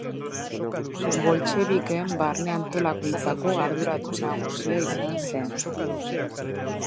Boltxebikeen barne-antolakuntzako arduradun nagusia izan zen.